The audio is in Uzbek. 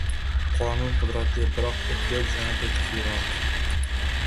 Qonun qudratli, biroq ehtiyoj yanada kuchliroq.